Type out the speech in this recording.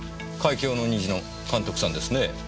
『海峡の虹』の監督さんですねぇ。